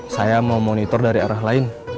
saya mau monitor dari arah lain